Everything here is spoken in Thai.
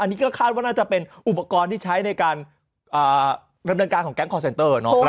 อันนี้ก็คาดว่าน่าจะเป็นอุปกรณ์ที่ใช้ในการดำเนินการของแก๊งคอร์เซนเตอร์